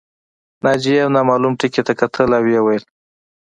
ناجیې یو نامعلوم ټکي ته کتل او ویې ویل